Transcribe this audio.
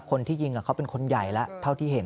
คนที่ยิงเขาเป็นคนใหญ่แล้วเท่าที่เห็น